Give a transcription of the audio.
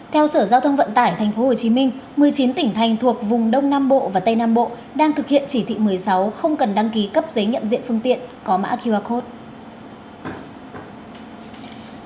theo sở giao thông vận tải tp hcm một mươi chín tỉnh thành thuộc vùng đông nam bộ và tây nam bộ đang thực hiện chỉ thị một mươi sáu không cần đăng ký cấp giấy nhận diện phương tiện có mã qr code